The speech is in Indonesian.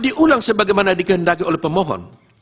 diulang sebagaimana dikehendaki oleh pemohon